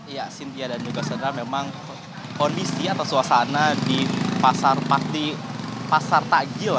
ya cynthia dan juga saudara memang kondisi atau suasana di pasar takjil